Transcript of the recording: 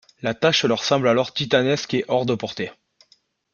La tâche leur semble alors titanesque et hors de portée.